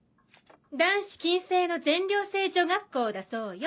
男子禁制の全寮制女学校だそうよ。